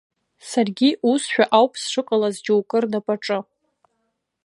Саргьы усшәа ауп сшыҟалаз џьоукы рнапаҿы.